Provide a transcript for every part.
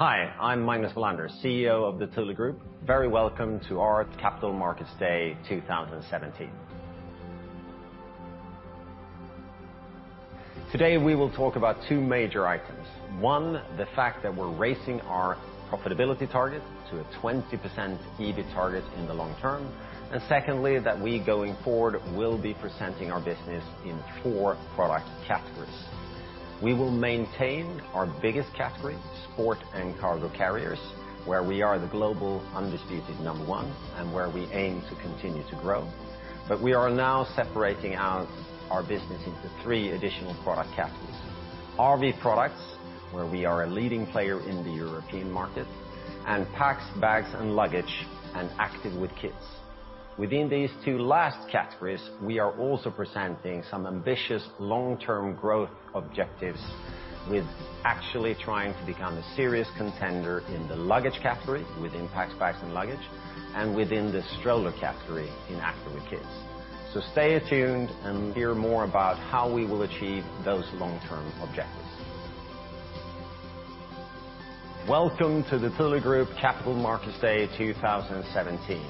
Hi, I'm Magnus Welander, CEO of the Thule Group. Very welcome to our Capital Markets Day 2017. Today, we will talk about two major items. One, the fact that we're raising our profitability target to a 20% EBIT target in the long term. Secondly, that we, going forward, will be presenting our business in four product categories. We will maintain our biggest category, Sport&Cargo Carriers, where we are the global undisputed number one and where we aim to continue to grow. We are now separating out our business into three additional product categories. RV Products, where we are a leading player in the European market. Packs, Bags & Luggage, and Active with Kids. Within these two last categories, we are also presenting some ambitious long-term growth objectives with actually trying to become a serious contender in the luggage category within Packs, Bags & Luggage, and within the stroller category in Active with Kids. Stay attuned and hear more about how we will achieve those long-term objectives. Welcome to the Thule Group Capital Markets Day 2017.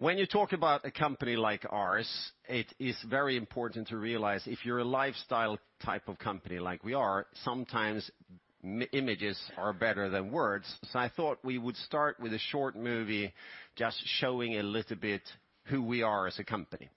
When you talk about a company like ours, it is very important to realize if you're a lifestyle type of company like we are, sometimes images are better than words. I thought we would start with a short movie just showing a little bit who we are as a company.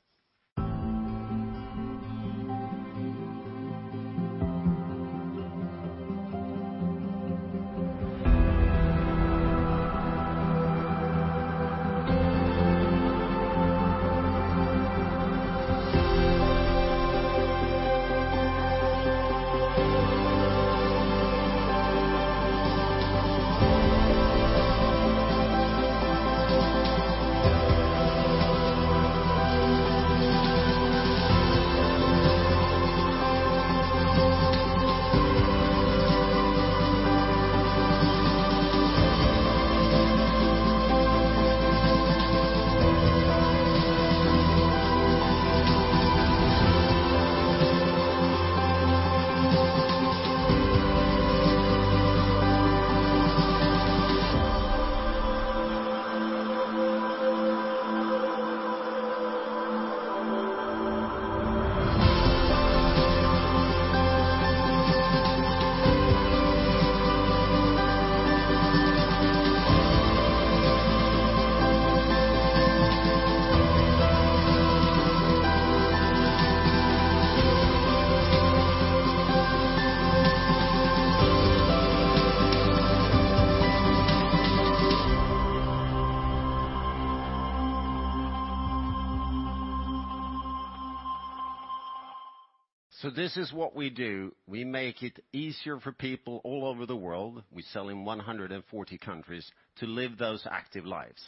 This is what we do. We make it easier for people all over the world, we sell in 140 countries, to live those active lives.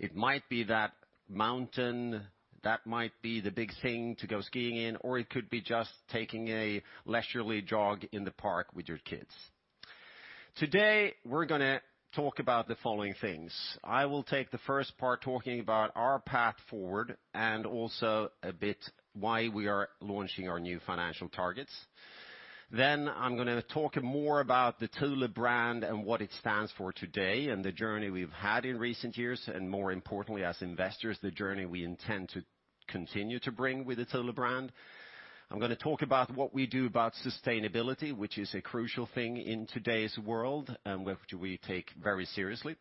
It might be that mountain, that might be the big thing to go skiing in, or it could be just taking a leisurely jog in the park with your kids. Today, we're going to talk about the following things. I will take the first part talking about our path forward and also a bit why we are launching our new financial targets. I'm going to talk more about the Thule brand and what it stands for today and the journey we've had in recent years, and more importantly as investors, the journey we intend to continue to bring with the Thule brand. I'm going to talk about what we do about sustainability, which is a crucial thing in today's world, and which we take very seriously.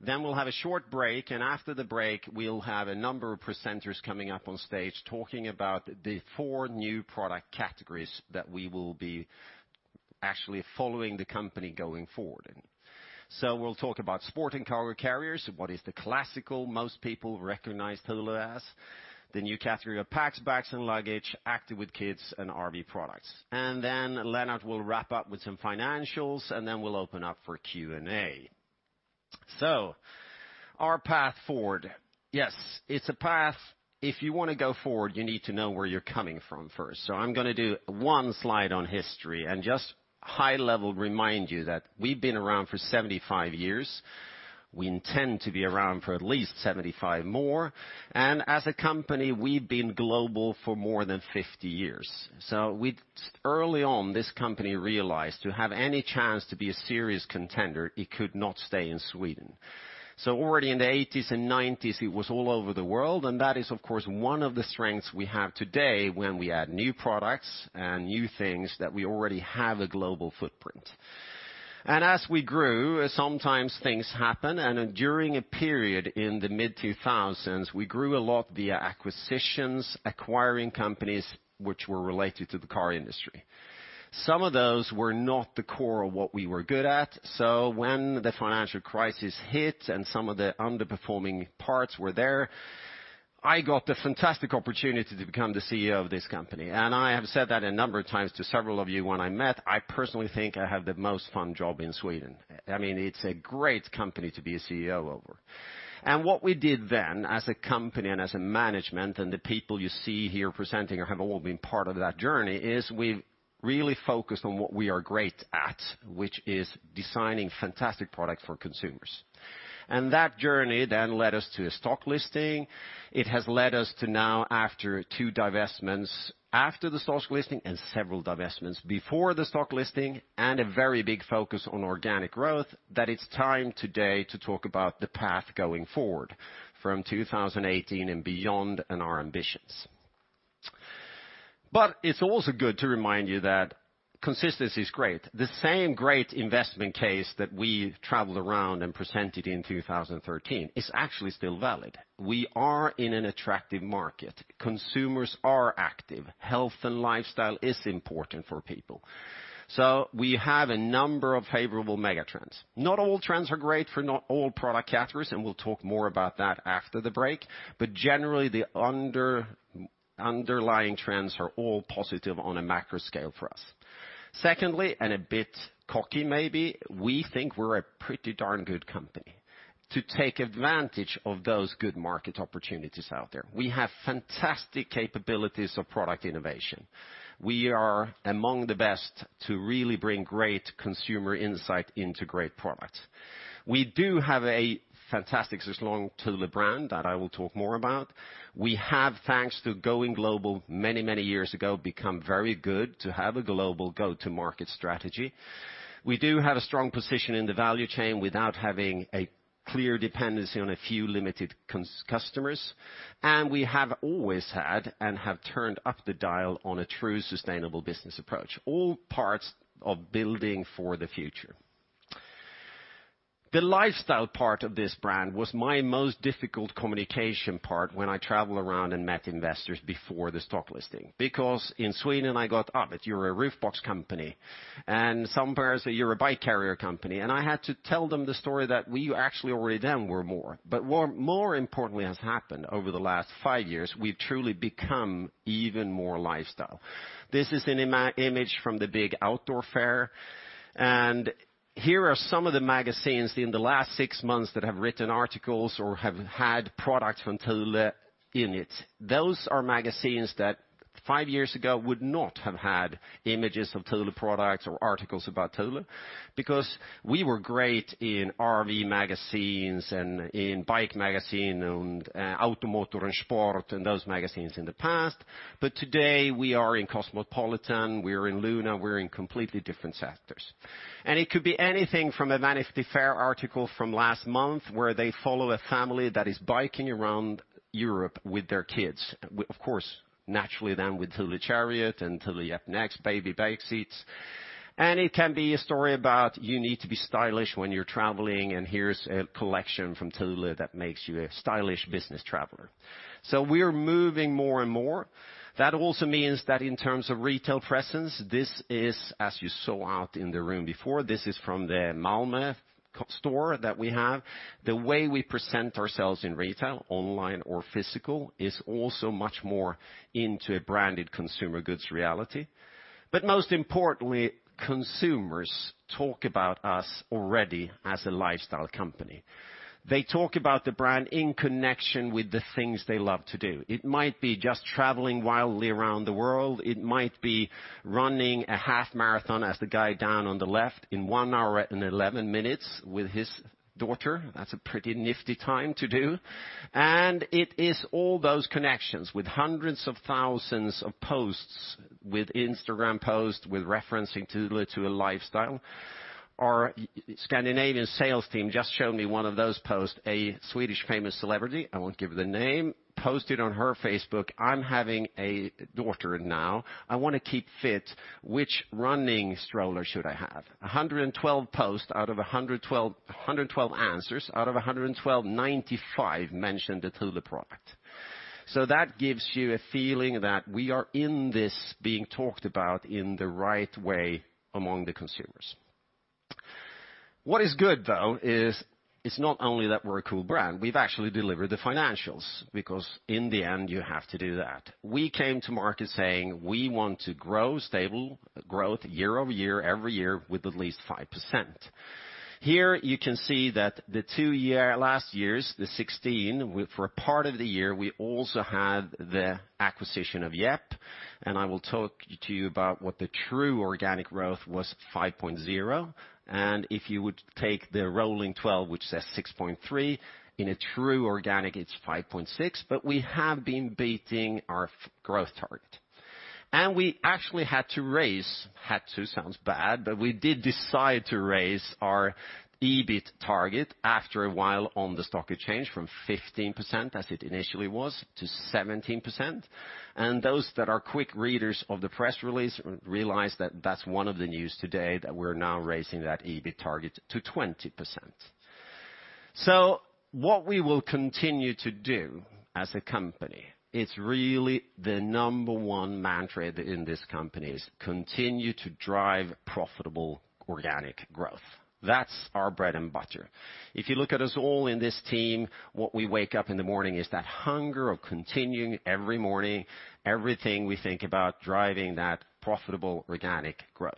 We'll have a short break, and after the break, we'll have a number of presenters coming up on stage talking about the four new product categories that we will be actually following the company going forward in. We'll talk about Sport&Cargo Carriers, what is the classical most people recognize Thule as. The new category of Packs, Bags & Luggage, Active with Kids, and RV Products. Lennart will wrap up with some financials, and we'll open up for Q&A. Our path forward. Yes, it's a path. If you want to go forward, you need to know where you're coming from first. I'm going to do one slide on history and just high level remind you that we've been around for 75 years. We intend to be around for at least 75 more. As a company, we've been global for more than 50 years. Early on this company realized to have any chance to be a serious contender, it could not stay in Sweden. Already in the '80s and '90s it was all over the world, and that is, of course, one of the strengths we have today when we add new products and new things that we already have a global footprint. As we grew, sometimes things happen, and during a period in the mid-2000s, we grew a lot via acquisitions, acquiring companies which were related to the car industry. Some of those were not the core of what we were good at. When the financial crisis hit and some of the underperforming parts were there, I got the fantastic opportunity to become the CEO of this company. I have said that a number of times to several of you when I met, I personally think I have the most fun job in Sweden. It's a great company to be a CEO over. What we did then as a company and as a management, and the people you see here presenting have all been part of that journey, is we've really focused on what we are great at, which is designing fantastic products for consumers. That journey then led us to a stock listing. It has led us to now, after two divestments after the stock listing and several divestments before the stock listing, and a very big focus on organic growth, that it's time today to talk about the path going forward from 2018 and beyond, and our ambitions. It's also good to remind you that consistency is great. The same great investment case that we traveled around and presented in 2013 is actually still valid. We are in an attractive market. Consumers are active. Health and lifestyle is important for people. We have a number of favorable mega trends. Not all trends are great for not all product categories, and we'll talk more about that after the break, but generally, the underlying trends are all positive on a macro scale for us. Secondly, and a bit cocky maybe, we think we're a pretty darn good company to take advantage of those good market opportunities out there. We have fantastic capabilities of product innovation. We are among the best to really bring great consumer insight into great products. We do have a fantastic, strong Thule brand that I will talk more about. We have, thanks to going global many, many years ago, become very good to have a global go-to-market strategy. We do have a strong position in the value chain without having a clear dependency on a few limited customers, and we have always had and have turned up the dial on a true sustainable business approach, all parts of building for the future. The lifestyle part of this brand was my most difficult communication part when I traveled around and met investors before the stock listing. Because in Sweden, I got, "Ah, but you're a roof box company." Somewhere, I say, "You're a bike carrier company." I had to tell them the story that we actually already then were more. What more importantly has happened over the last five years, we've truly become even more lifestyle. This is an image from the big outdoor fair, and here are some of the magazines in the last six months that have written articles or have had products from Thule in it. Those are magazines that five years ago would not have had images of Thule products or articles about Thule because we were great in RV magazines and in bike magazine and Automobile and Sport and those magazines in the past. But today we are in Cosmopolitan, we are in Luna, we are in completely different sectors. It could be anything from a Vanity Fair article from last month where they follow a family that is biking around Europe with their kids. Of course, naturally then with Thule Chariot and Thule Yepp Nexxt baby bike seats. It can be a story about you need to be stylish when you are traveling, and here is a collection from Thule that makes you a stylish business traveler. We are moving more and more. That also means that in terms of retail presence, this is as you saw out in the room before, this is from the Malmö store that we have. The way we present ourselves in retail, online or physical, is also much more into a branded consumer goods reality. Most importantly, consumers talk about us already as a lifestyle company. They talk about the brand in connection with the things they love to do. It might be just traveling wildly around the world. It might be running a half marathon as the guy down on the left in 1 hour and 11 minutes with his daughter. That is a pretty nifty time to do. It is all those connections with hundreds of thousands of posts, with Instagram posts, with referencing Thule to a lifestyle. Our Scandinavian sales team just showed me one of those posts. A Swedish famous celebrity, I won't give the name, posted on her Facebook, "I'm having a daughter now. I want to keep fit. Which running stroller should I have?" 112 posts out of 112 answers, out of 112, 95 mentioned a Thule product. That gives you a feeling that we are in this being talked about in the right way among the consumers. What is good, though, is it's not only that we're a cool brand, we've actually delivered the financials because in the end, you have to do that. We came to market saying we want to grow stable growth year-over-year, every year, with at least 5%. Here you can see that the two year, last year's, the 2016, for part of the year, we also had the acquisition of Yepp. I will talk to you about what the true organic growth was 5.0%. If you would take the rolling 12, which says 6.3%, in a true organic, it's 5.6%. We have been beating our growth target. We actually had to raise, had to sounds bad, but we did decide to raise our EBIT target after a while on the stock exchange from 15% as it initially was to 17%. Those that are quick readers of the press release realize that that's one of the news today, that we are now raising that EBIT target to 20%. What we will continue to do as a company is really the number one mantra in this company is continue to drive profitable organic growth. That's our bread and butter. If you look at us all in this team, what we wake up in the morning is that hunger of continuing every morning, everything we think about driving that profitable organic growth.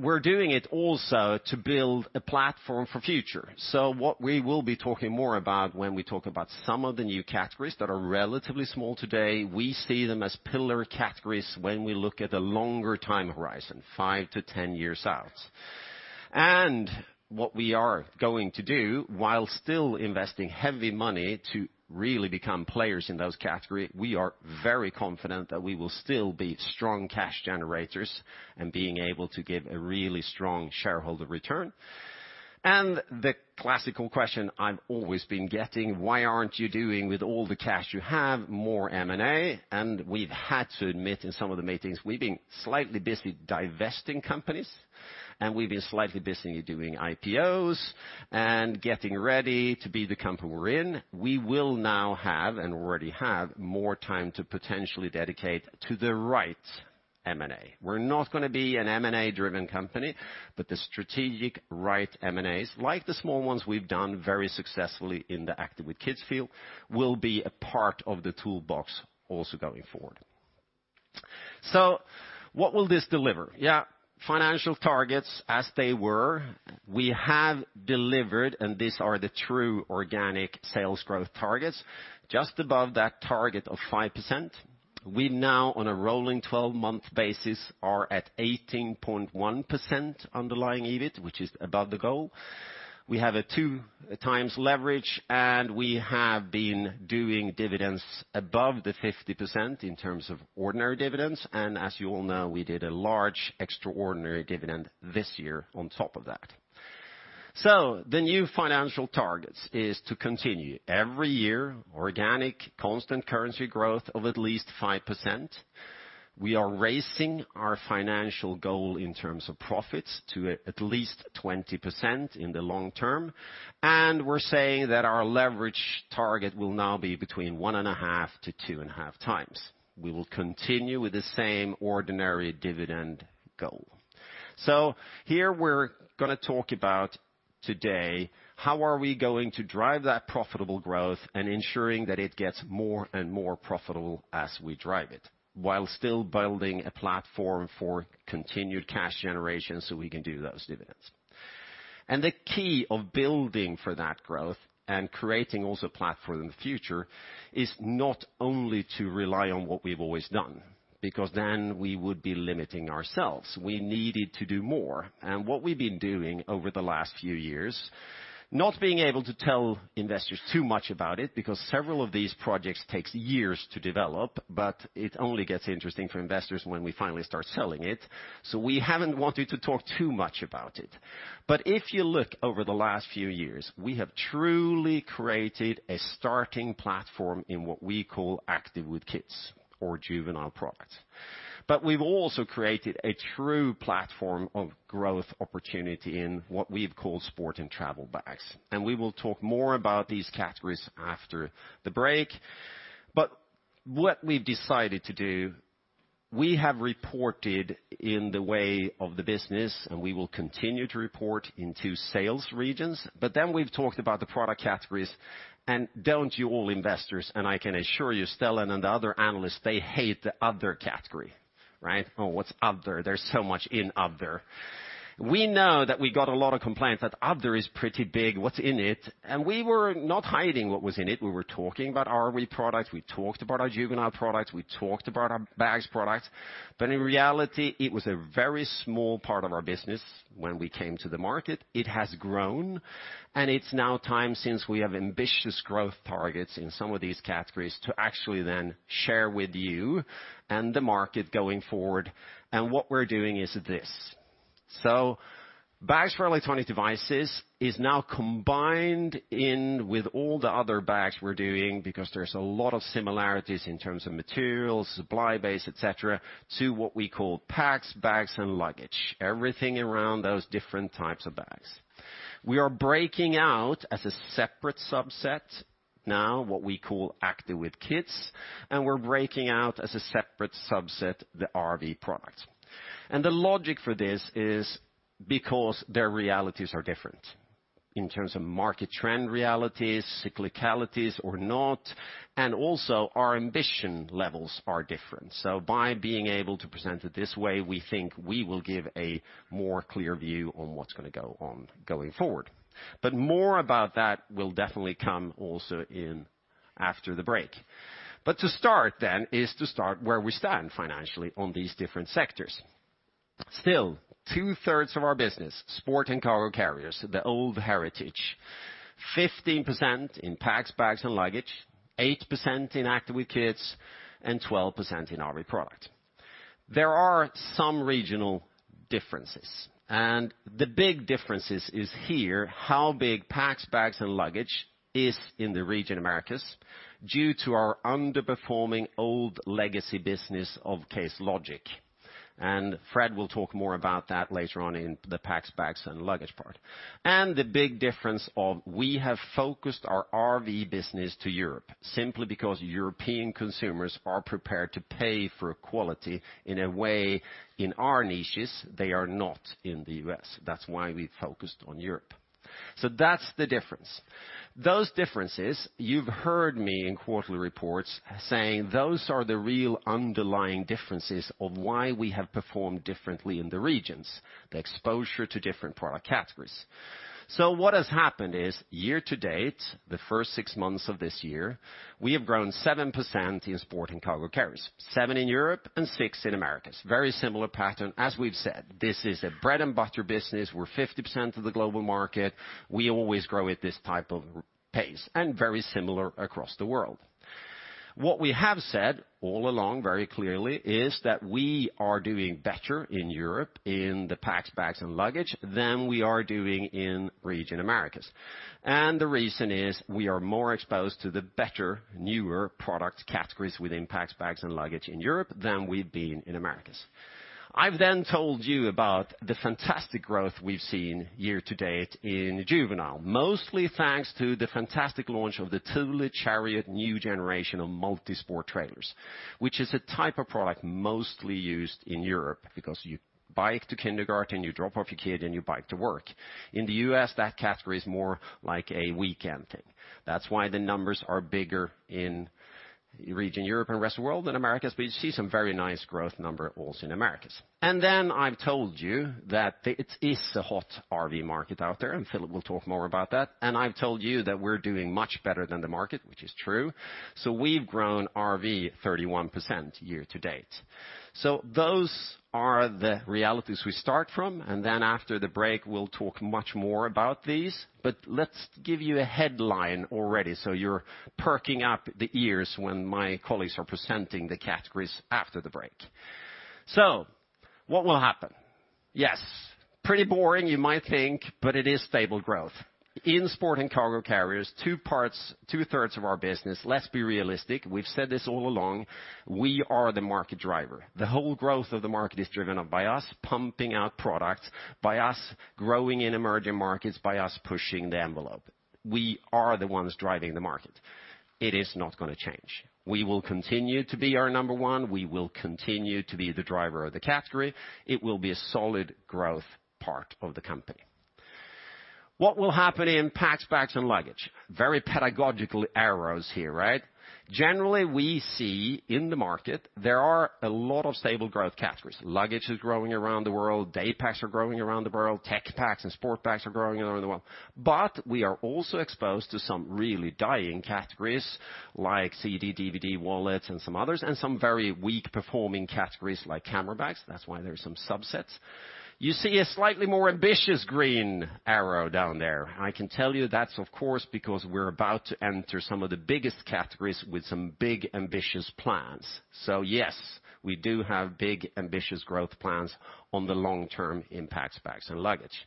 We're doing it also to build a platform for future. What we will be talking more about when we talk about some of the new categories that are relatively small today, we see them as pillar categories when we look at a longer time horizon, 5 to 10 years out. What we are going to do while still investing heavy money to really become players in those categories, we are very confident that we will still be strong cash generators and being able to give a really strong shareholder return. The classical question I've always been getting, "Why aren't you doing with all the cash you have more M&A?" We've had to admit in some of the meetings, we've been slightly busy divesting companies, and we've been slightly busy doing IPOs and getting ready to be the company we're in. We will now have, and already have, more time to potentially dedicate to the right M&A. We're not going to be an M&A-driven company, the strategic right M&As, like the small ones we've done very successfully in the Active with Kids field, will be a part of the toolbox also going forward. What will this deliver? Yeah, financial targets as they were. We have delivered, these are the true organic sales growth targets, just above that target of 5%. We now, on a rolling 12-month basis, are at 18.1% underlying EBIT, which is above the goal. We have a two times leverage, we have been doing dividends above the 50% in terms of ordinary dividends. As you all know, we did a large extraordinary dividend this year on top of that. The new financial target is to continue every year organic constant currency growth of at least 5%. We are raising our financial goal in terms of profits to at least 20% in the long term, we're saying that our leverage target will now be between one and a half to two and a half times. We will continue with the same ordinary dividend goal. Here, we're going to talk about today, how are we going to drive that profitable growth and ensuring that it gets more and more profitable as we drive it, while still building a platform for continued cash generation so we can do those dividends. The key of building for that growth and creating also a platform in the future is not only to rely on what we've always done, because then we would be limiting ourselves. We needed to do more. What we've been doing over the last few years, not being able to tell investors too much about it, because several of these projects take years to develop, but it only gets interesting for investors when we finally start selling it. We haven't wanted to talk too much about it. If you look over the last few years, we have truly created a starting platform in what we call Active with Kids or juvenile products. We've also created a true platform of growth opportunity in what we've called sport and travel bags. We will talk more about these categories after the break. What we've decided to do, we have reported in the way of the business, and we will continue to report in two sales regions. We've talked about the product categories, and don't you all investors, and I can assure you, Stellan and the other analysts, they hate the other category. Right? Oh, what's other? There's so much in other. We know that we got a lot of complaints that other is pretty big, what's in it? We were not hiding what was in it. We were talking about our RV Products. We talked about our juvenile products. We talked about our bags products. In reality, it was a very small part of our business when we came to the market. It has grown, and it's now time, since we have ambitious growth targets in some of these categories, to actually then share with you and the market going forward. What we're doing is this. Bags for electronic devices is now combined in with all the other bags we're doing because there's a lot of similarities in terms of materials, supply base, et cetera, to what we call Packs, Bags & Luggage, everything around those different types of bags. We are breaking out as a separate subset now what we call Active with Kids, and we're breaking out as a separate subset the RV Products. The logic for this is because their realities are different in terms of market trend realities, cyclicalities or not, and also our ambition levels are different. By being able to present it this way, we think we will give a more clear view on what's going to go on going forward. More about that will definitely come also in after the break. To start then is to start where we stand financially on these different sectors. Still, two-thirds of our business, Sport&Cargo Carriers, the old heritage, 15% in Packs, Bags & Luggage, 8% in Active with Kids, and 12% in RV Products. There are some regional differences, and the big differences is here, how big Packs, Bags & Luggage is in the region Americas due to our underperforming old legacy business of Case Logic. Fred will talk more about that later on in the Packs, Bags & Luggage part. The big difference of we have focused our RV business to Europe simply because European consumers are prepared to pay for quality in a way in our niches, they are not in the U.S. That's why we focused on Europe. That's the difference. Those differences, you've heard me in quarterly reports saying those are the real underlying differences of why we have performed differently in the regions, the exposure to different product categories. What has happened is, year-to-date, the first 6 months of this year, we have grown 7% in Sport&Cargo Carriers, seven in Europe and six in Americas. Very similar pattern. We've said, this is a bread-and-butter business. We're 50% of the global market. We always grow at this type of pace, very similar across the world. What we have said all along very clearly is that we are doing better in Europe in the Packs, Bags & Luggage than we are doing in region Americas. The reason is we are more exposed to the better, newer product categories within Packs, Bags & Luggage in Europe than we've been in Americas. I've told you about the fantastic growth we've seen year-to-date in juvenile. Mostly thanks to the fantastic launch of the Thule Chariot new generation of multi-sport trailers, which is a type of product mostly used in Europe because you bike to kindergarten, you drop off your kid, and you bike to work. In the U.S., that category is more like a weekend thing. That's why the numbers are bigger in region Europe and rest of world than Americas. We see some very nice growth number also in Americas. I've told you that it is a hot RV market out there, and Filip will talk more about that. I've told you that we're doing much better than the market, which is true. We've grown RV 31% year-to-date. Those are the realities we start from, after the break, we'll talk much more about these. Let's give you a headline already so you're perking up the ears when my colleagues are presenting the categories after the break. What will happen? Yes, pretty boring you might think, but it is stable growth. In Sport&Cargo Carriers, two-thirds of our business, let's be realistic, we've said this all along, we are the market driver. The whole growth of the market is driven up by us pumping out products, by us growing in emerging markets, by us pushing the envelope. We are the ones driving the market. It is not going to change. We will continue to be our number one. We will continue to be the driver of the category. It will be a solid growth part of the company. What will happen in Packs, Bags & Luggage? Very pedagogical arrows here, right? Generally, we see in the market there are a lot of stable growth categories. Luggage is growing around the world, day packs are growing around the world, tech packs and sport packs are growing around the world. But we are also exposed to some really dying categories like CD/DVD, wallets, and some others, and some very weak-performing categories like camera bags. That's why there are some subsets. You see a slightly more ambitious green arrow down there. I can tell you that's of course because we're about to enter some of the biggest categories with some big, ambitious plans. Yes, we do have big, ambitious growth plans on the long term in Packs, Bags & Luggage.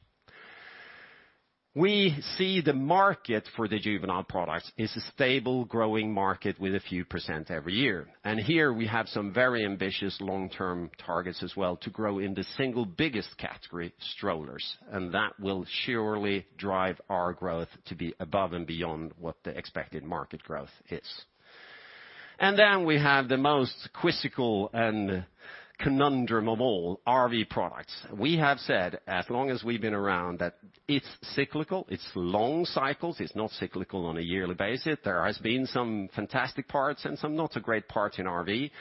We see the market for the juvenile products is a stable, growing market with a few % every year. Here we have some very ambitious long-term targets as well to grow in the single biggest category, strollers, and that will surely drive our growth to be above and beyond what the expected market growth is. We have the most quizzical and conundrum of all, RV Products. We have said as long as we've been around that it's cyclical. It's long cycles. It's not cyclical on a yearly basis. There has been some fantastic parts and some not so great parts in RV.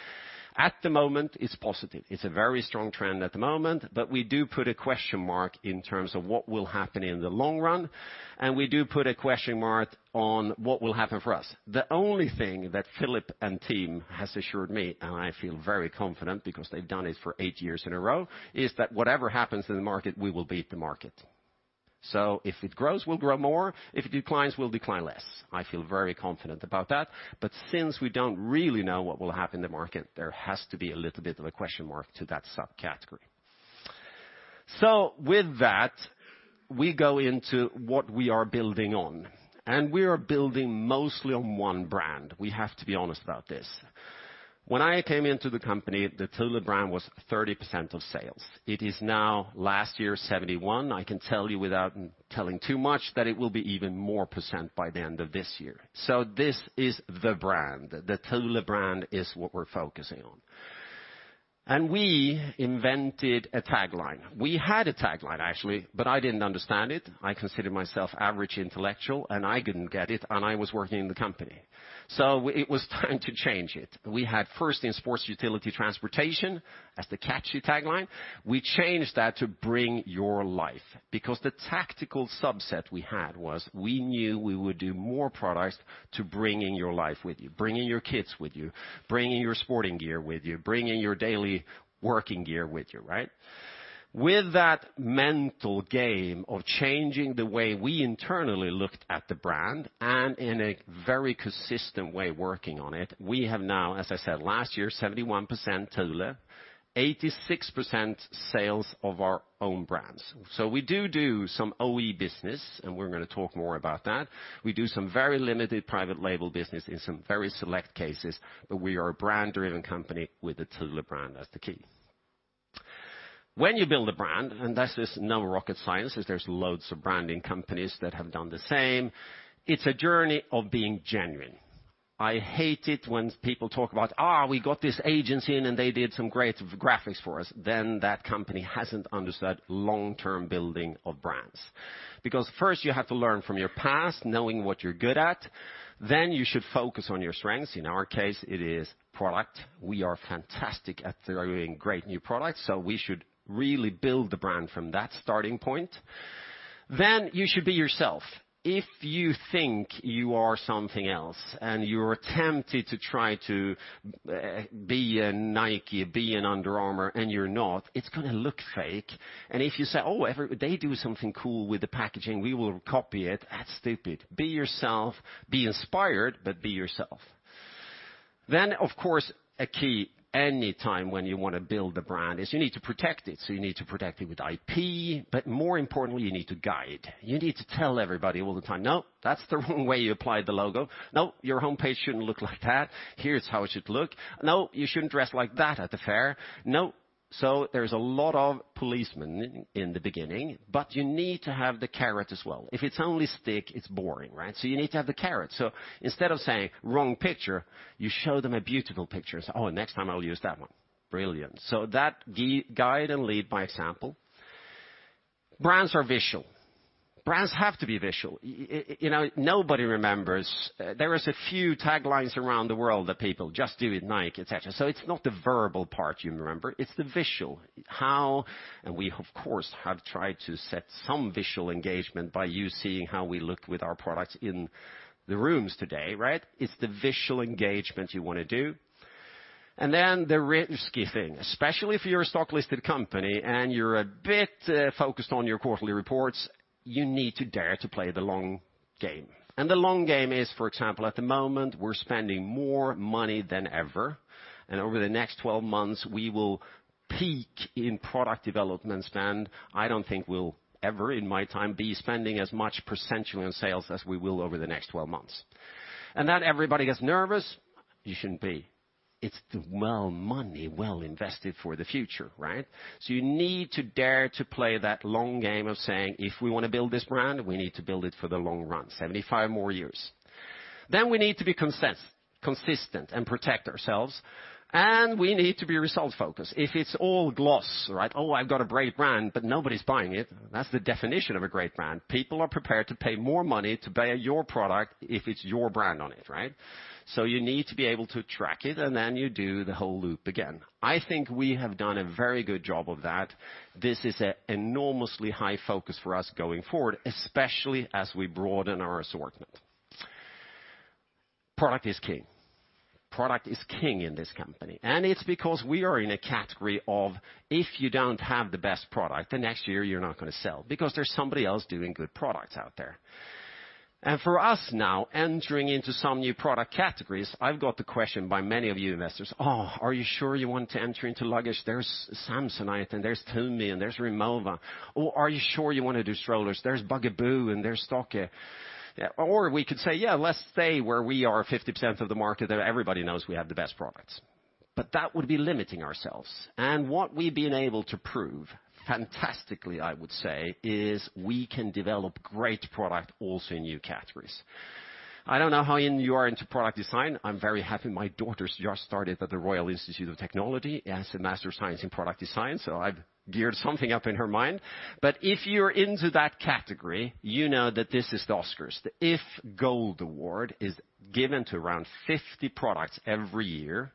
At the moment, it's positive. It's a very strong trend at the moment, but we do put a question mark in terms of what will happen in the long run, and we do put a question mark on what will happen for us. The only thing that Filip and team has assured me, and I feel very confident because they've done it for eight years in a row, is that whatever happens in the market, we will beat the market. If it grows, we'll grow more. If it declines, we'll decline less. I feel very confident about that. Since we don't really know what will happen in the market, there has to be a little bit of a question mark to that subcategory. With that, we go into what we are building on, and we are building mostly on one brand. We have to be honest about this. When I came into the company, the Thule brand was 30% of sales. It is now last year, 71%. I can tell you without telling too much that it will be even more % by the end of this year. This is the brand. The Thule brand is what we're focusing on. We invented a tagline. We had a tagline actually, I didn't understand it. I consider myself average intellectual, I couldn't get it, and I was working in the company. It was time to change it. We had First in Sports Utility transportation as the catchy tagline. We changed that to Bring your life because the tactical subset we had was we knew we would do more products to bringing your life with you, bringing your kids with you, bringing your sporting gear with you, bringing your daily working gear with you, right? With that mental game of changing the way we internally looked at the brand and in a very consistent way working on it, we have now, as I said, last year, 71% Thule, 86% sales of our own brands. We do do some OE business, and we're going to talk more about that. We do some very limited private label business in some very select cases, but we are a brand-driven company with the Thule brand as the key. When you build a brand, and that's just no rocket science is there's loads of branding companies that have done the same. It's a journey of being genuine I hate it when people talk about, "We got this agency in and they did some great graphics for us." That company hasn't understood long-term building of brands. First you have to learn from your past, knowing what you're good at, then you should focus on your strengths. In our case, it is product. We are fantastic at delivering great new products, we should really build the brand from that starting point. You should be yourself. If you think you are something else and you're tempted to try to be a Nike, be an Under Armour, and you're not, it's going to look fake. If you say, "Oh, they do something cool with the packaging, we will copy it," that's stupid. Be yourself. Be inspired, be yourself. Of course, a key any time when you want to build the brand is you need to protect it. You need to protect it with IP, but more importantly, you need to guide. You need to tell everybody all the time, "No, that's the wrong way you applied the logo. No, your homepage shouldn't look like that. Here's how it should look. No, you shouldn't dress like that at the fair. No." There's a lot of policemen in the beginning, but you need to have the carrot as well. If it's only stick, it's boring, right? You need to have the carrot. Instead of saying, "Wrong picture," you show them a beautiful picture and say, "Oh, next time I'll use that one." Brilliant. That guide and lead by example. Brands are visual. Brands have to be visual. Nobody remembers. There is a few taglines around the world that people just do with Nike, et cetera. It's not the verbal part you remember, it's the visual. How, and we of course, have tried to set some visual engagement by you seeing how we look with our products in the rooms today, right? It's the visual engagement you want to do. The risky thing, especially if you're a stock-listed company and you're a bit focused on your quarterly reports, you need to dare to play the long game. The long game is, for example, at the moment, we're spending more money than ever, and over the next 12 months, we will peak in product development spend. I don't think we'll ever, in my time, be spending as much percentage on sales as we will over the next 12 months. Everybody gets nervous. You shouldn't be. It's the well money, well invested for the future, right? You need to dare to play that long game of saying, "If we want to build this brand, we need to build it for the long run, 75 more years." We need to be consistent and protect ourselves, and we need to be results-focused. If it's all gloss, right? "Oh, I've got a great brand," but nobody's buying it, that's the definition of a great brand. People are prepared to pay more money to buy your product if it's your brand on it, right? You need to be able to track it, and then you do the whole loop again. I think we have done a very good job of that. This is an enormously high focus for us going forward, especially as we broaden our assortment. Product is king. Product is king in this company. It's because we are in a category of, if you don't have the best product, next year you're not going to sell, because there's somebody else doing good products out there. For us now, entering into some new product categories, I've got the question by many of you investors, "Oh, are you sure you want to enter into luggage? There's Samsonite and there's Tumi and there's Rimowa." Or, "Are you sure you want to do strollers? There's Bugaboo and there's Stokke." Or we could say, "Yeah, let's stay where we are 50% of the market that everybody knows we have the best products." That would be limiting ourselves. What we've been able to prove, fantastically I would say, is we can develop great product also in new categories. I don't know how in you are into product design. I'm very happy my daughter's just started at The Royal Institute of Technology as a Master of Science in Product Design, so I've geared something up in her mind. If you're into that category, you know that this is the Oscars. The iF Gold Award is given to around 50 products every year.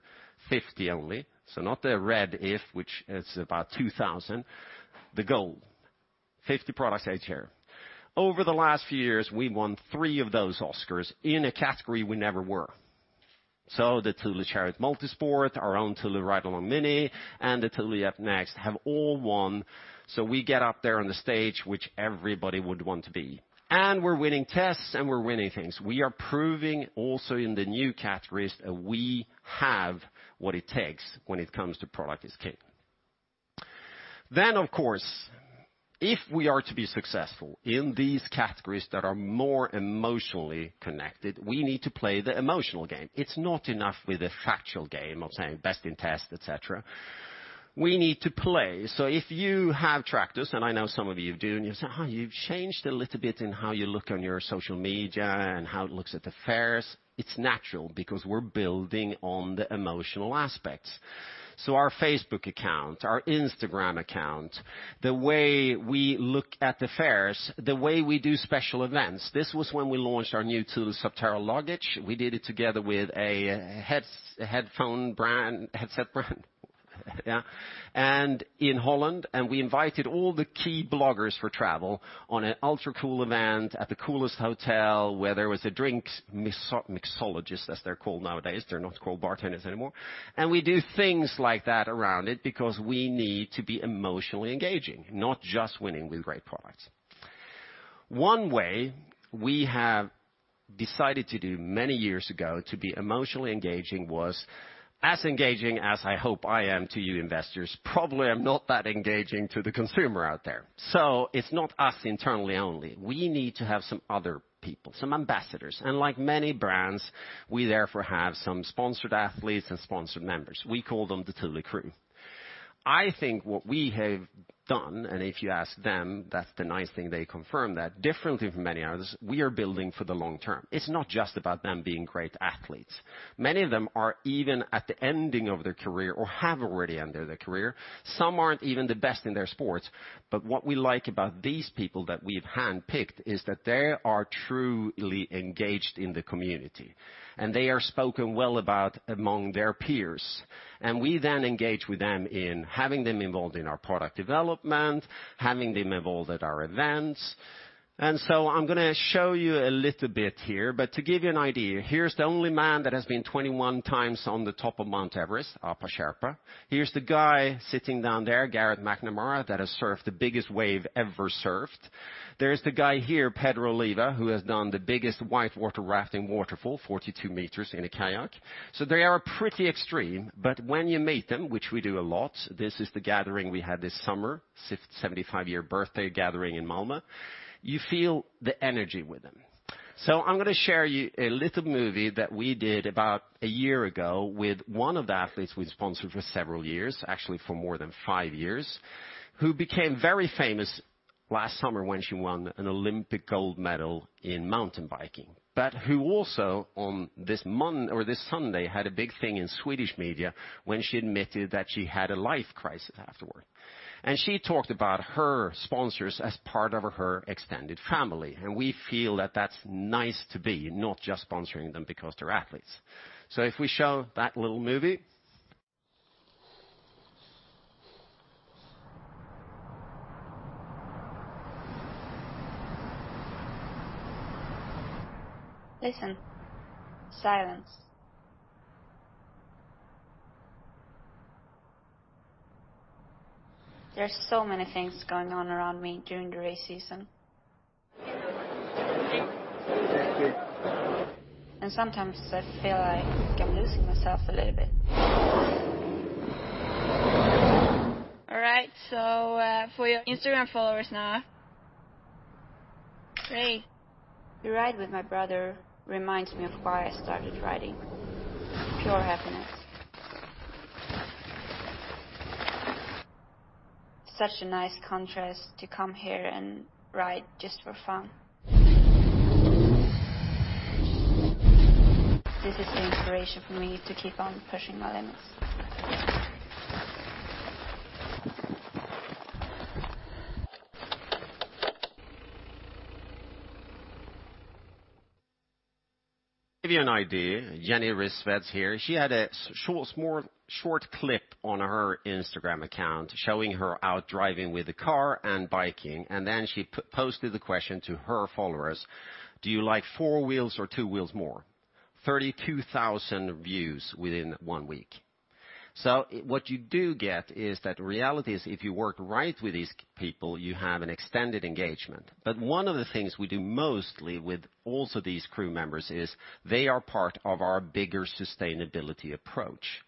50 only. Not the Red iF, which is about 2,000. The Gold, 50 products each year. Over the last few years, we won three of those Oscars in a category we never were. The Thule Chariot Multi-Sport, our own Thule RideAlong Mini, and the Thule Yepp Nexxt have all won. We get up there on the stage, which everybody would want to be. We're winning tests and we're winning things. We are proving also in the new categories that we have what it takes when it comes to product is king. Of course, if we are to be successful in these categories that are more emotionally connected, we need to play the emotional game. It's not enough with a factual game of saying best in test, et cetera. We need to play. If you have tracked us, and I know some of you do, and you say, "Huh, you've changed a little bit in how you look on your social media and how it looks at the fairs," it's natural because we're building on the emotional aspects. Our Facebook account, our Instagram account, the way we look at the fairs, the way we do special events. This was when we launched our new Thule Subterra luggage. We did it together with a headset brand in Holland, we invited all the key bloggers for travel on an ultra cool event at the coolest hotel where there was a drink mixologist, as they're called nowadays. They're not called bartenders anymore. We do things like that around it because we need to be emotionally engaging, not just winning with great products. One way we have decided to do many years ago to be emotionally engaging was as engaging as I hope I am to you investors, probably I'm not that engaging to the consumer out there. It's not us internally only. We need to have some other people, some ambassadors, and like many brands, we therefore have some sponsored athletes and sponsored members. We call them the Thule Crew. I think what we have done, if you ask them, that's the nice thing, they confirm that differently from many others, we are building for the long term. It's not just about them being great athletes. Many of them are even at the ending of their career or have already ended their career. Some aren't even the best in their sports. What we like about these people that we've handpicked is that they are truly engaged in the community, they are spoken well about among their peers. We then engage with them in having them involved in our product development, having them involved at our events. I'm going to show you a little bit here. To give you an idea, here's the only man that has been 21 times on the top of Mount Everest, Apa Sherpa. Here's the guy sitting down there, Garrett McNamara, that has surfed the biggest wave ever surfed. There is the guy here, Pedro Oliva, who has done the biggest whitewater rafting waterfall, 42 meters in a kayak. They are pretty extreme, but when you meet them, which we do a lot, this is the gathering we had this summer, 75-year birthday gathering in Malmö. You feel the energy with them. I'm going to share you a little movie that we did about a year ago with one of the athletes we've sponsored for several years, actually for more than five years, who became very famous last summer when she won an Olympic gold medal in mountain biking. Who also on this Sunday had a big thing in Swedish media when she admitted that she had a life crisis afterward. She talked about her sponsors as part of her extended family. We feel that that's nice to be, not just sponsoring them because they're athletes. If we show that little movie. Listen. Silence. There's so many things going on around me during the race season. Sometimes I feel like I'm losing myself a little bit. All right, for your Instagram followers now. Hey. The ride with my brother reminds me of why I started riding. Pure happiness. Such a nice contrast to come here and ride just for fun. This is the inspiration for me to keep on pushing my limits. Give you an idea. Jenny Rissveds here, she had a short clip on her Instagram account showing her out driving with a car and biking, and then she posted the question to her followers: Do you like four wheels or two wheels more? 32,000 views within one week. What you do get is that reality is if you work right with these people, you have an extended engagement. One of the things we do mostly with also these crew members is they are part of our bigger sustainability approach.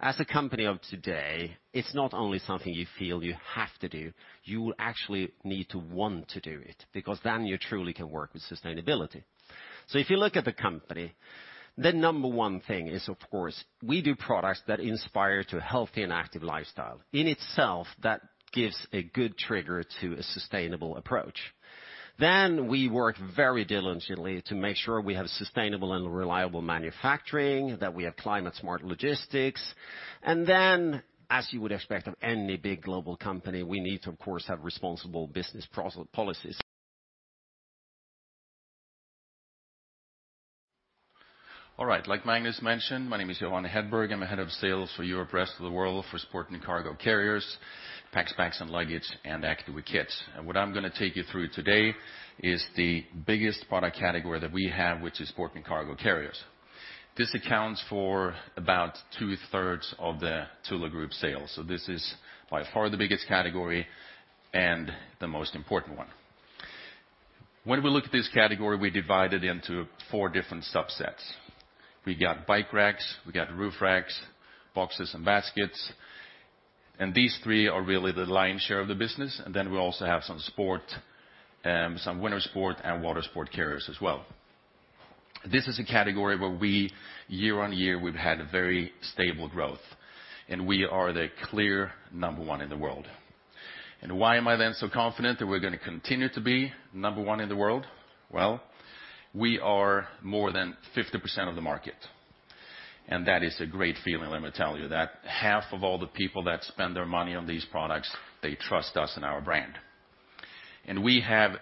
As a company of today, it's not only something you feel you have to do, you will actually need to want to do it, because then you truly can work with sustainability. If you look at the company, the number one thing is, of course, we do products that inspire to healthy and active lifestyle. In itself, that gives a good trigger to a sustainable approach. We work very diligently to make sure we have sustainable and reliable manufacturing, that we have climate-smart logistics. Then, as you would expect of any big global company, we need to, of course, have responsible business policies. All right, like Magnus mentioned, my name is Johan Hedberg. I'm the head of sales for Europe, rest of the world for Sport&Cargo Carriers, Packs, Bags & Luggage, and Active with Kids. What I'm going to take you through today is the biggest product category that we have, which is Sport&Cargo Carriers. This accounts for about two-thirds of the Thule Group sales. This is by far the biggest category and the most important one. When we look at this category, we divide it into four different subsets. We got bike racks, we got roof racks, boxes, and baskets, and these three are really the lion's share of the business. Then we also have some sport, some winter sport, and water sport carriers as well. This is a category where we, year-on-year, we've had very stable growth, and we are the clear number one in the world. Why am I then so confident that we're going to continue to be number one in the world? Well, we are more than 50% of the market, and that is a great feeling, let me tell you. That half of all the people that spend their money on these products, they trust us and our brand. We have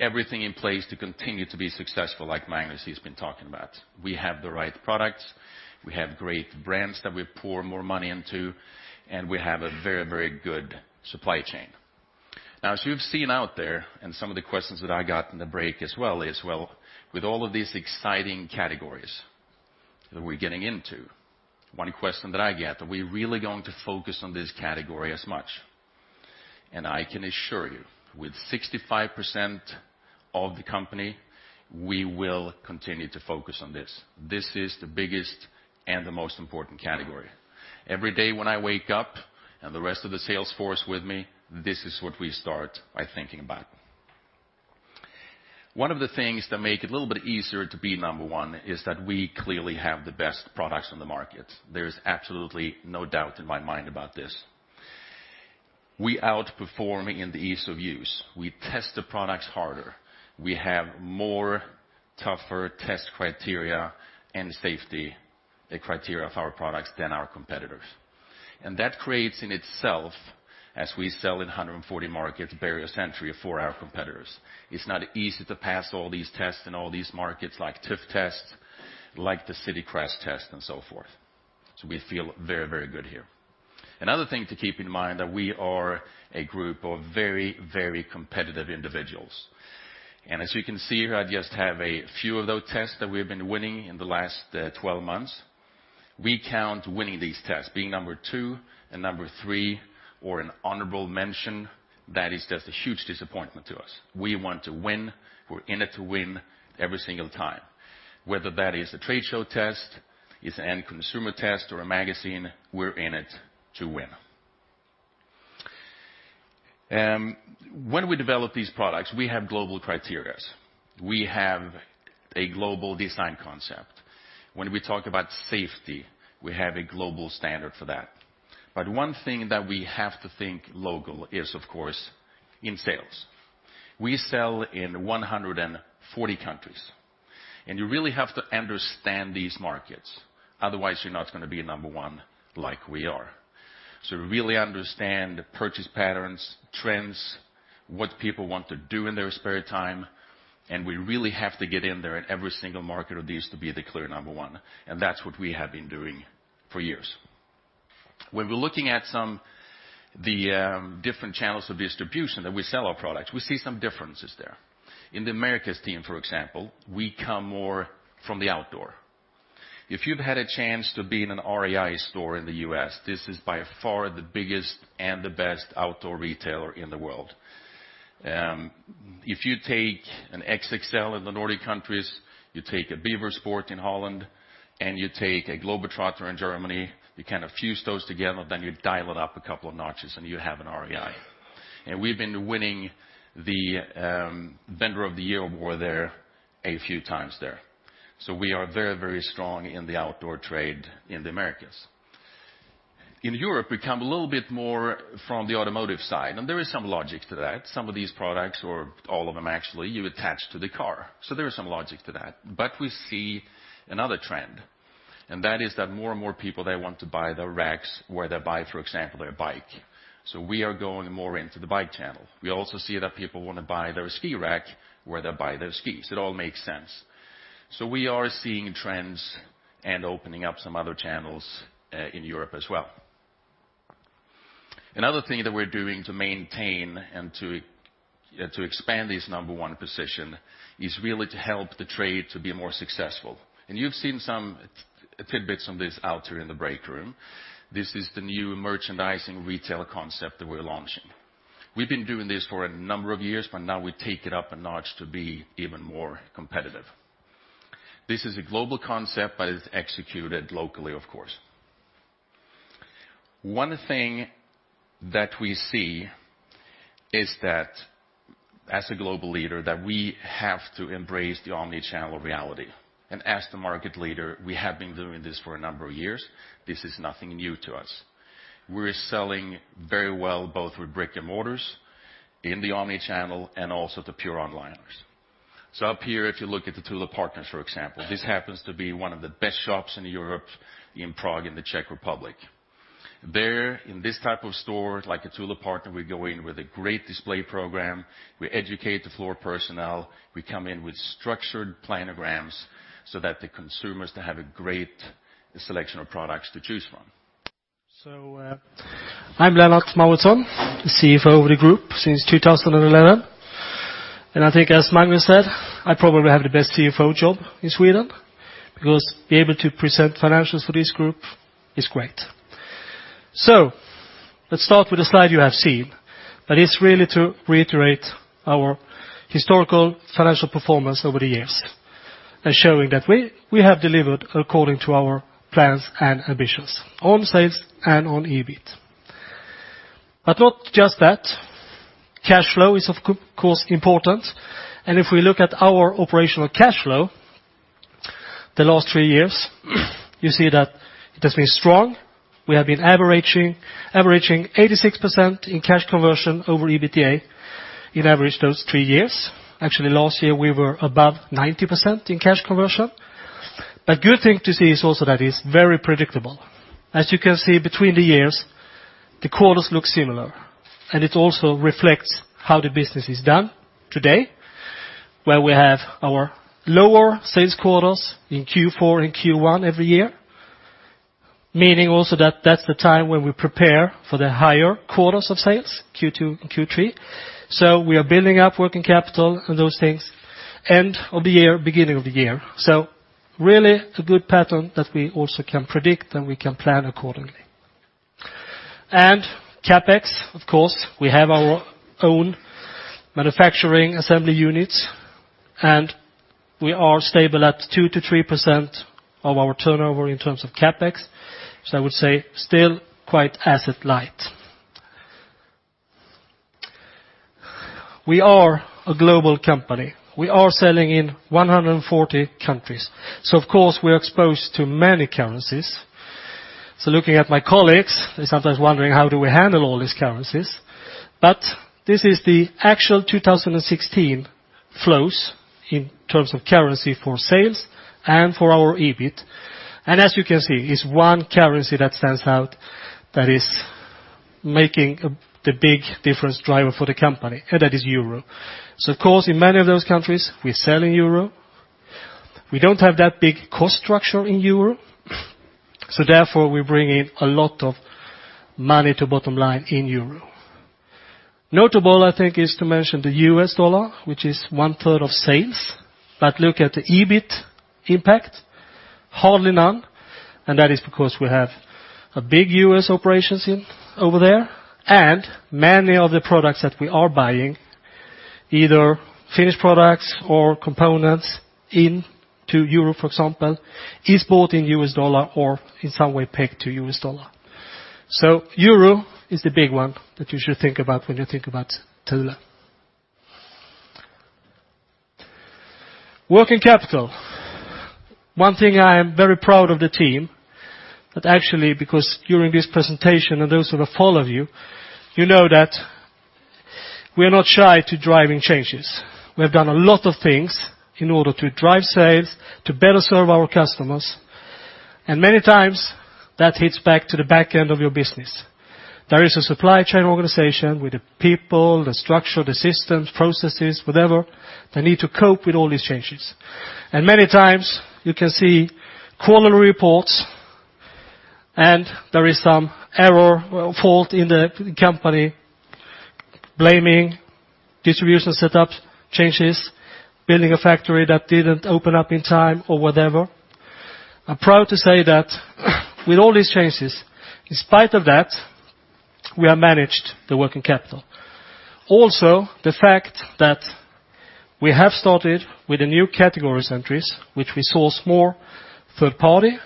everything in place to continue to be successful, like Magnus has been talking about. We have the right products, we have great brands that we pour more money into, we have a very good supply chain. Now, as you've seen out there, some of the questions that I got in the break as well is, well, with all of these exciting categories that we're getting into, one question that I get, are we really going to focus on this category as much? I can assure you, with 65% of the company, we will continue to focus on this. This is the biggest and the most important category. Every day when I wake up, and the rest of the sales force with me, this is what we start by thinking about. One of the things that make it a little bit easier to be number one is that we clearly have the best products on the market. There is absolutely no doubt in my mind about this. We outperform in the ease of use. We test the products harder. We have more tougher test criteria and safety criteria of our products than our competitors. That creates in itself, as we sell in 140 markets, barriers entry for our competitors. It's not easy to pass all these tests in all these markets like TÜV tests, like the City Crash test and so forth. We feel very, very good here. Another thing to keep in mind that we are a group of very, very competitive individuals. As you can see here, I just have a few of those tests that we've been winning in the last 12 months. We count winning these tests. Being number 2 and number 3 or an honorable mention, that is just a huge disappointment to us. We want to win. We're in it to win every single time. Whether that is a trade show test, it's an end consumer test or a magazine, we're in it to win. When we develop these products, we have global criterias. We have a global design concept. When we talk about safety, we have a global standard for that. One thing that we have to think local is, of course, in sales. We sell in 140 countries, you really have to understand these markets. Otherwise, you're not going to be number 1 like we are. We really understand the purchase patterns, trends, what people want to do in their spare time, we really have to get in there in every single market of these to be the clear number 1, that's what we have been doing for years. When we're looking at some the different channels of distribution that we sell our products, we see some differences there. In the Americas team, for example, we come more from the outdoor. If you've had a chance to be in an REI store in the U.S., this is by far the biggest and the best outdoor retailer in the world. If you take an XXL in the Nordic countries, you take a Bever Sport in Holland, you take a Globetrotter in Germany, you kind of fuse those together, you dial it up a couple of notches, you have an REI. We've been winning the Vendor of the Year award there a few times there. We are very, very strong in the outdoor trade in the Americas. In Europe, we come a little bit more from the automotive side, there is some logic to that. Some of these products, or all of them actually, you attach to the car. There is some logic to that. We see another trend, and that is that more and more people, they want to buy the racks where they buy, for example, their bike. We are going more into the bike channel. We also see that people want to buy their ski rack where they buy their skis. It all makes sense. We are seeing trends and opening up some other channels in Europe as well. Another thing that we're doing to maintain and to expand this number 1 position is really to help the trade to be more successful. You've seen some tidbits of this out here in the break room. This is the new merchandising retail concept that we're launching. We've been doing this for a number of years, but now we take it up a notch to be even more competitive. This is a global concept, but it's executed locally, of course. One thing that we see is that as a global leader, we have to embrace the omnichannel reality. As the market leader, we have been doing this for a number of years. This is nothing new to us. We're selling very well both with brick-and-mortars, in the omnichannel, and also the pure onliners. Up here, if you look at the Thule Partners, for example, this happens to be one of the best shops in Europe in Prague in the Czech Republic. There, in this type of store, like a Thule Partner, we go in with a great display program. We educate the floor personnel. We come in with structured planograms so that the consumers to have a great selection of products to choose from. I'm Lennart Mauritzson, the CFO of the group since 2011. I think as Magnus said, I probably have the best CFO job in Sweden because being able to present financials for this group is great. Let's start with a slide you have seen, but it's really to reiterate our historical financial performance over the years and showing that we have delivered according to our plans and ambitions on sales and on EBIT. Not just that. Cash flow is, of course, important. If we look at our operational cash flow the last three years, you see that it has been strong. We have been averaging 86% in cash conversion over EBITDA in average those three years. Actually, last year, we were above 90% in cash conversion. Good thing to see is also that it's very predictable. As you can see between the years, the quarters look similar, and it also reflects how the business is done today, where we have our lower sales quarters in Q4 and Q1 every year, meaning also that that's the time when we prepare for the higher quarters of sales, Q2 and Q3. We are building up working capital and those things end of the year, beginning of the year. Really a good pattern that we also can predict, and we can plan accordingly. CapEx, of course, we have our own manufacturing assembly units, and we are stable at 2%-3% of our turnover in terms of CapEx. I would say still quite asset light. We are a global company. We are selling in 140 countries. Of course, we are exposed to many currencies. Looking at my colleagues, they're sometimes wondering how do we handle all these currencies. This is the actual 2016 flows in terms of currency for sales and for our EBIT. As you can see, it's one currency that stands out that is making the big difference driver for the company, and that is euro. Of course, in many of those countries, we sell in euro. We don't have that big cost structure in euro. Therefore, we bring in a lot of money to bottom line in euro. Notable, I think, is to mention the US dollar, which is one third of sales. But look at the EBIT impact, hardly none. That is because we have a big U.S. operations over there, and many of the products that we are buying, either finished products or components into Europe, for example, is bought in US dollar or in some way pegged to US dollar. Euro is the big one that you should think about when you think about Thule. Working capital. One thing I am very proud of the team, that actually because during this presentation and those that have followed you know that we are not shy to driving changes. We have done a lot of things in order to drive sales, to better serve our customers. Many times, that hits back to the back end of your business. There is a supply chain organization with the people, the structure, the systems, processes, whatever, they need to cope with all these changes. Many times you can see quarterly reports, and there is some error or fault in the company blaming distribution setup changes, building a factory that didn't open up in time or whatever. I'm proud to say that with all these changes, in spite of that, we have managed the working capital. Also, the fact that we have started with the new categories entries, which we source more third party,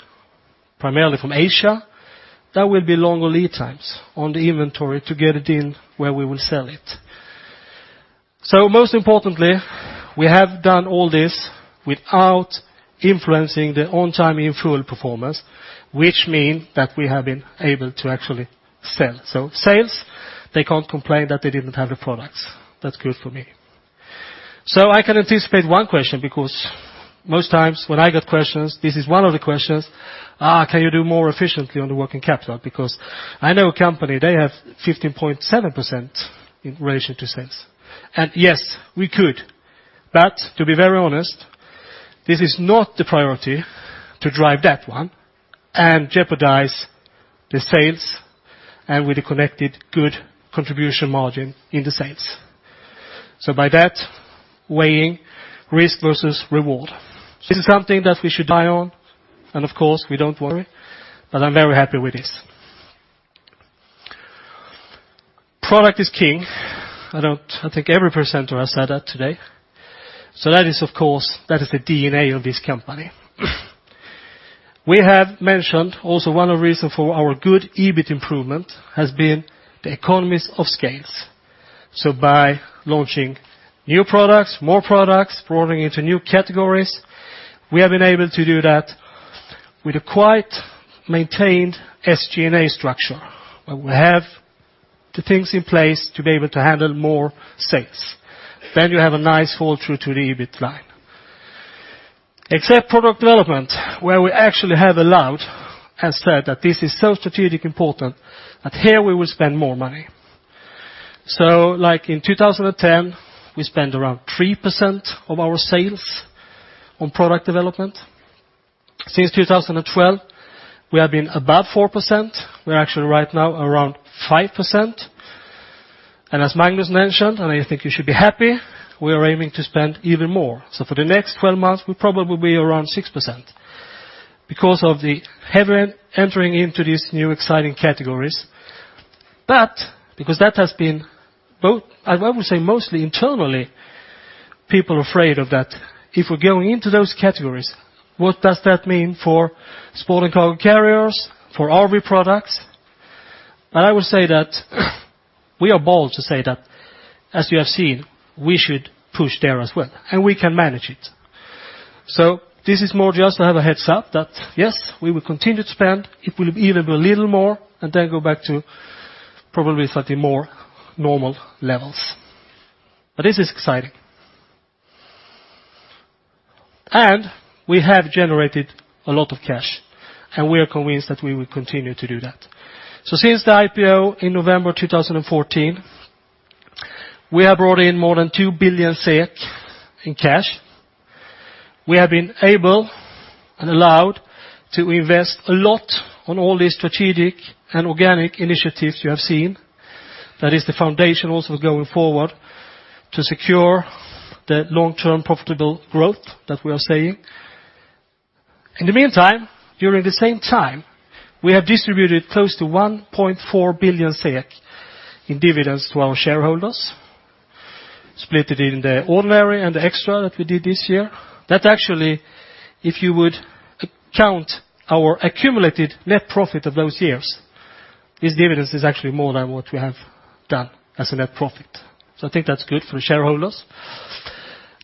primarily from Asia, that will be longer lead times on the inventory to get it in where we will sell it. Most importantly, we have done all this without influencing the On-Time In-Full performance, which mean that we have been able to actually sell. Sales, they can't complain that they didn't have the products. That's good for me. I can anticipate one question because most times when I get questions, this is one of the questions. Can you do more efficiently on the working capital? Because I know a company, they have 15.7% in relation to sales. Yes, we could. But to be very honest, this is not the priority to drive that one and jeopardize the sales and with the connected good contribution margin in the sales. By that, weighing risk versus reward. This is something that we should eye on, and of course, we don't worry, but I'm very happy with this. Product is king. I think every presenter has said that today. That is, of course, that is the DNA of this company. We have mentioned also one of the reason for our good EBIT improvement has been the economies of scales. By launching new products, more products, broadening into new categories, we have been able to do that with a quite maintained SG&A structure, where we have the things in place to be able to handle more sales. Then you have a nice fall through to the EBIT line. Except product development, where we actually have allowed and said that this is so strategic important, that here we will spend more money. Like in 2010, we spent around 3% of our sales on product development. Since 2012, we have been above 4%. We are actually right now around 5%. As Magnus mentioned, and I think you should be happy, we are aiming to spend even more. For the next 12 months, we will probably be around 6%, because of the entering into these new exciting categories. Because that has been, I would say mostly internally, people are afraid of that. If we are going into those categories, what does that mean for Sport&Cargo Carriers, for RV Products? I would say that we are bold to say that, as you have seen, we should push there as well, and we can manage it. This is more just to have a heads up that, yes, we will continue to spend. It will be even a little more, and then go back to probably slightly more normal levels. This is exciting. We have generated a lot of cash, and we are convinced that we will continue to do that. Since the IPO in November 2014, we have brought in more than 2 billion SEK in cash. We have been able and allowed to invest a lot on all these strategic and organic initiatives you have seen. That is the foundation also going forward to secure the long-term profitable growth that we are seeing. In the meantime, during the same time, we have distributed close to 1.4 billion in dividends to our shareholders. Split it in the ordinary and the extra that we did this year. That actually, if you would count our accumulated net profit of those years, this dividend is actually more than what we have done as a net profit. I think that is good for shareholders.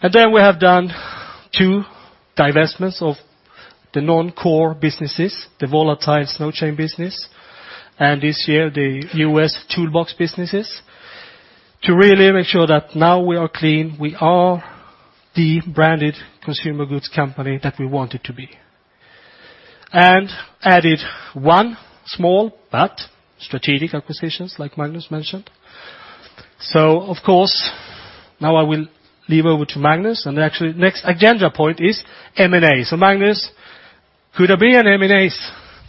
Then we have done two divestments of the non-core businesses, the volatile snow chain business, and this year the U.S. toolbox businesses, to really make sure that now we are clean. We are the branded consumer goods company that we wanted to be. Added one small but strategic acquisitions, like Magnus mentioned. Of course, now I will leave over to Magnus, and actually next agenda point is M&A. Magnus, could there be an M&A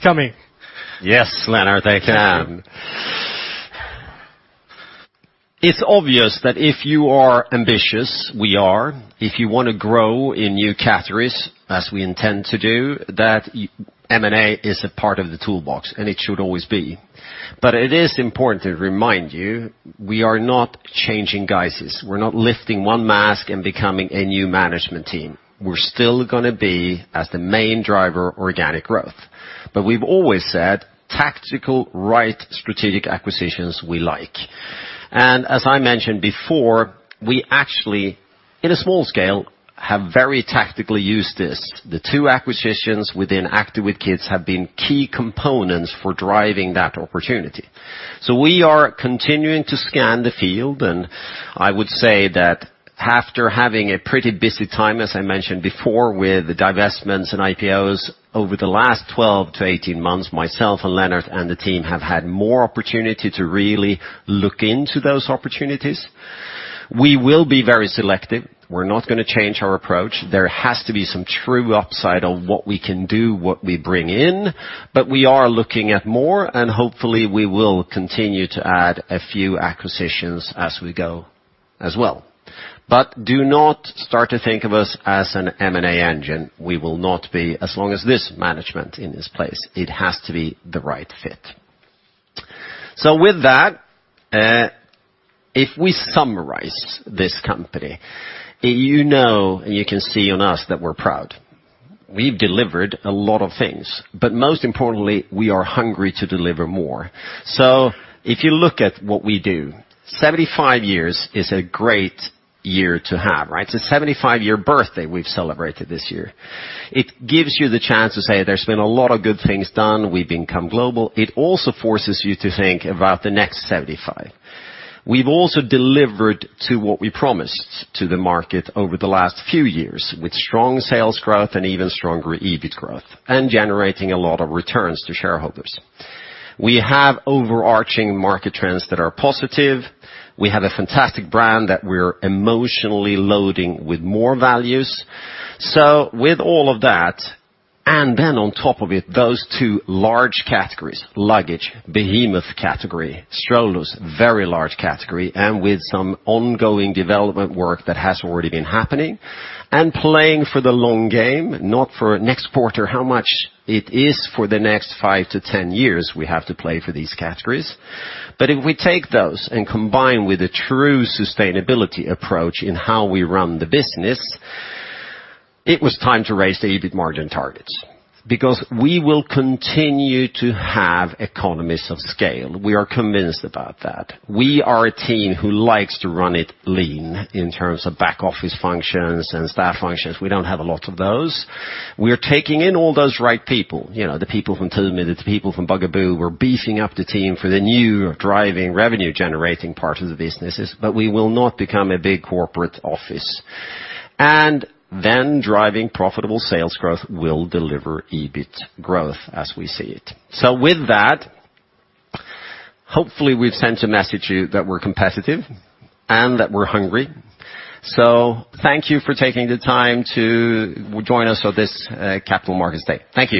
coming? Yes, Lennart, there can. It's obvious that if you are ambitious, we are. If you want to grow in new categories, as we intend to do, that M&A is a part of the toolbox, and it should always be. It is important to remind you, we are not changing guises. We're not lifting one mask and becoming a new management team. We're still going to be as the main driver, organic growth. We've always said tactical right strategic acquisitions we like. As I mentioned before, we actually, in a small scale, have very tactically used this. The two acquisitions within Active with Kids have been key components for driving that opportunity. We are continuing to scan the field, and I would say that after having a pretty busy time, as I mentioned before, with the divestments and IPOs over the last 12 to 18 months, myself and Lennart and the team have had more opportunity to really look into those opportunities. We will be very selective. We're not going to change our approach. There has to be some true upside on what we can do, what we bring in, we are looking at more, and hopefully, we will continue to add a few acquisitions as we go as well. Do not start to think of us as an M&A engine. We will not be, as long as this management in this place. It has to be the right fit. With that, if we summarize this company, you know, you can see on us that we're proud. We've delivered a lot of things, but most importantly, we are hungry to deliver more. If you look at what we do, 75 years is a great year to have, right? It's a 75-year birthday we've celebrated this year. It gives you the chance to say there's been a lot of good things done. We've become global. It also forces you to think about the next 75. We've also delivered to what we promised to the market over the last few years, with strong sales growth and even stronger EBIT growth, and generating a lot of returns to shareholders. We have overarching market trends that are positive. We have a fantastic brand that we're emotionally loading with more values. With all of that, and then on top of it, those two large categories, luggage, behemoth category, strollers, very large category, and with some ongoing development work that has already been happening, and playing for the long game, not for next quarter, how much it is for the next 7 to 10 years we have to play for these categories. If we take those and combine with a true sustainability approach in how we run the business, it was time to raise the EBIT margin targets because we will continue to have economies of scale. We are convinced about that. We are a team who likes to run it lean in terms of back-office functions and staff functions. We don't have a lot of those. We're taking in all those right people. The people from Thule, the people from Bugaboo. We're beefing up the team for the new driving revenue-generating part of the businesses, but we will not become a big corporate office. Driving profitable sales growth will deliver EBIT growth as we see it. With that, hopefully, we've sent a message to you that we're competitive and that we're hungry. Thank you for taking the time to join us for this Capital Markets Day. Thank you.